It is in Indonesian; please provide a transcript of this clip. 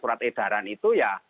surat edaran itu ya